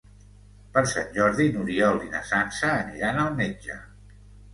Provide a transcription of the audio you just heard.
Per Sant Jordi n'Oriol i na Sança aniran al metge.